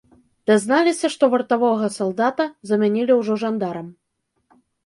Дазналіся, што вартавога салдата замянілі ўжо жандарам.